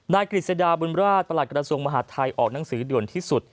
นายกริษดาบุญราชประหลักฐาสวงศ์มหาดไทยออกหนังสือเด่นที่สุด